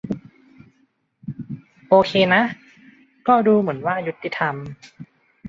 โอเคนะก็ดูเหมือนว่ายุติธรรม